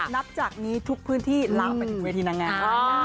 นับจากนี้ทุกพื้นที่ลามไปถึงเวทีนางงาม